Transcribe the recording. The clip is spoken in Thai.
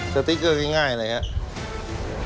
สติ๊กเกอร์ง่ายเลยครับ